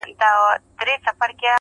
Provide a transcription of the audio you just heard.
چې څوک ورته ګوته ونه نیسي